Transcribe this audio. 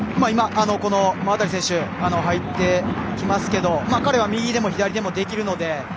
今、馬渡選手が入ってきますけれども彼は右でも左でもできるので。